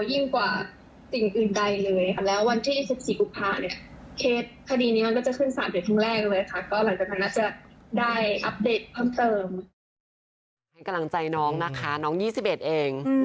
มีมูลค่าสำหรับเรายิ่งกว่าสิ่งอื่นใดเลย